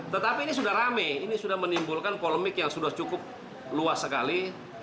tetapi ini sudah rame ini sudah menimbulkan polemik yang sudah cukup luas sekali